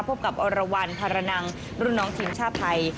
พบกับอรวรรณภาระนังรุ่นน้องทีมชาติไทย